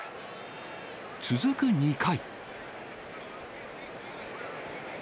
続く２回。